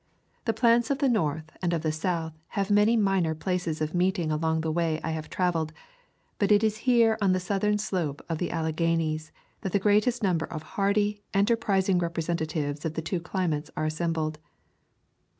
The plants of the North and of the South have many minor places of meeting along the way I have trav eled; but it is here on the southern slope of the Alleghanies that the greatest number of hardy, enterprising representatives of the two climates are assembled.